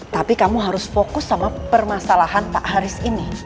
tapi kamu harus fokus sama permasalahan pak haris ini